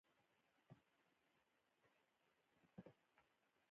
لوبغاړي خپل هيواد ته ویاړ راوړي.